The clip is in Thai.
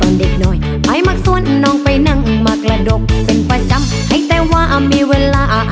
มีคนวิภาควิจารณ์ว่า